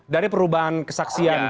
dari perubahan kesaksian